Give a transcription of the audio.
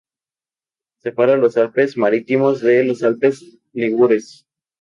Separa los Alpes Marítimos de los Alpes Ligures.